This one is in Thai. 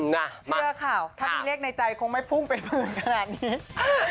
เชื่อค่ะถ้ามีเลขในใจคงไม่พุ่งเป็นหมื่นขนาดนี้